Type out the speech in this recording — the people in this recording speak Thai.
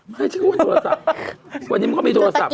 ไม่ใช่วันนี้มันก็มีโทรศัพท์